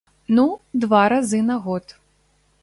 Ну, два разы на год.